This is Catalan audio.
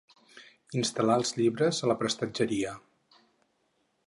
Instal·lar els llibres a la prestatgeria.